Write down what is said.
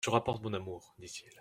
—Je rapporte mon amour,» dit-il.